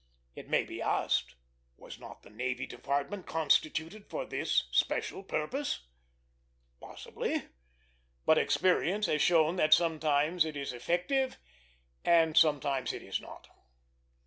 It may be asked, Was not the Navy Department constituted for this special purpose? Possibly; but experience has shown that sometimes it is effective, and sometimes it is not.